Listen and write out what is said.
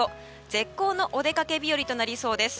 絶好のお出かけ日和となりそうです。